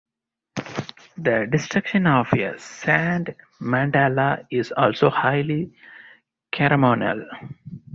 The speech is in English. The destruction of a sand mandala is also highly ceremonial.